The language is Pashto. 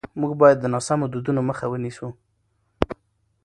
موږ باید د ناسم دودونو مخه ونیسو.